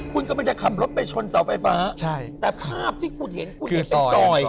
คุณกำลังจะขับรถไปชนเสาไฟฟ้าใช่แต่ภาพที่คุณเห็นคุณเห็นเป็นซอย